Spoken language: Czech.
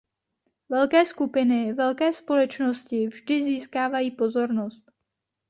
Velké skupiny, velké společnosti vždy získávají pozornost.